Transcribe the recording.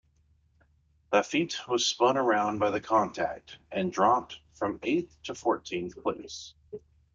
Laffite was spun around by the contact and dropped from eighth to fourteenth place.